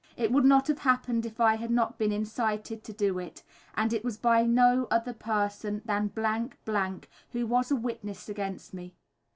It would not have happened if I had not been incited to do it, and it was by no other person than , who was a witness against me.